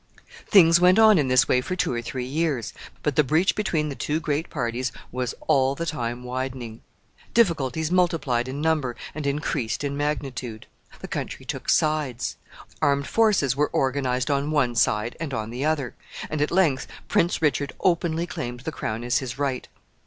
Things went on in this way for two or three years, but the breach between the two great parties was all the time widening. Difficulties multiplied in number and increased in magnitude. The country took sides. Armed forces were organized on one side and on the other, and at length Prince Richard openly claimed the crown as his right.